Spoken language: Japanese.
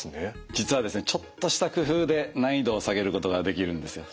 実はですねちょっとした工夫で難易度を下げることができるんですよ。